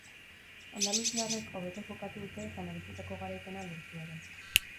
Andaluziarrek hobeto jokatu dute eta merezitako garaipena lortu ere.